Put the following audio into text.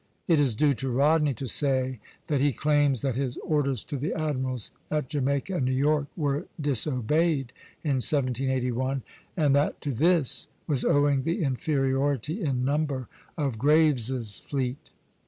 It is due to Rodney to say that he claims that his orders to the admirals at Jamaica and New York were disobeyed in 1781, and that to this was owing the inferiority in number of Graves's fleet.